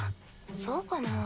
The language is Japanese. そうかな？